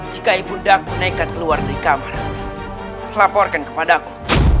jika ibunda aku nekat keluar dari kamar laporkan kepadaku